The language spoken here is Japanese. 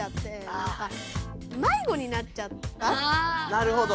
なるほど！